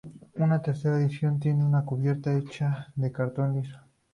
Una tercera edición tiene una cubierta hecha de cartón liso.